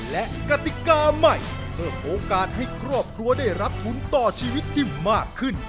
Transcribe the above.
และกติกาใหม่เพิ่มโอกาสให้ครอบครัวได้รับทุนต่อชีวิตที่มากขึ้น